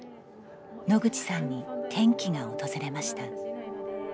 野口さんに転機が訪れました。